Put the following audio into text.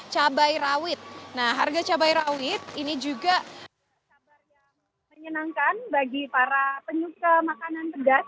cabai rawit nah harga cabai rawit ini juga kabar yang menyenangkan bagi para penyuka makanan pedas